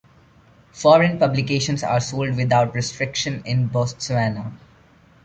Foreign publications are sold without restriction in Botswana.